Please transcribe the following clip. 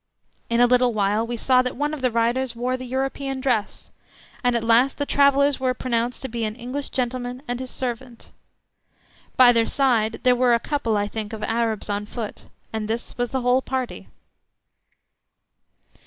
In a little while we saw that one of the riders wore the European dress, and at last the travellers were pronounced to be an English gentleman and his servant. By their side there were a couple, I think, of Arabs on foot, and this was the whole party.